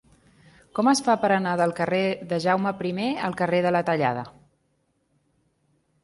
Com es fa per anar del carrer de Jaume I al carrer de la Tallada?